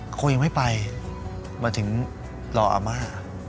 อาโกงยังไม่ไปวันถึงรออาม่า